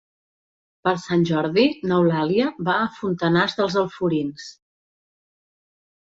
Per Sant Jordi n'Eulàlia va a Fontanars dels Alforins.